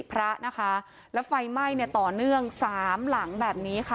พระนะคะแล้วไฟไหม้เนี่ยต่อเนื่องสามหลังแบบนี้ค่ะ